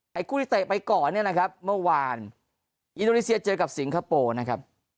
คู่ที่เตะไปก่อนเนี่ยนะครับเมื่อวานอินโดนีเซียเจอกับสิงคโปร์นะครับ